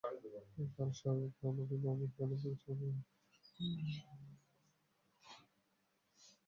কারণ শাহরুখ, সালমান কিংবা আমির খানের ছবি মানেই বক্স অফিসে হিট।